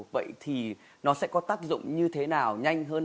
vậy thì nó sẽ có tác dụng như thế nào nhanh hơn